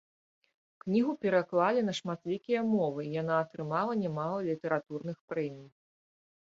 Кнігу пераклалі на шматлікія мовы, яна атрымала нямала літаратурных прэмій.